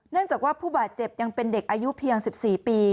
จากว่าผู้บาดเจ็บยังเป็นเด็กอายุเพียง๑๔ปี